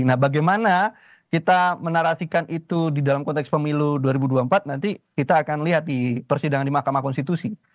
nah bagaimana kita menarasikan itu di dalam konteks pemilu dua ribu dua puluh empat nanti kita akan lihat di persidangan di mahkamah konstitusi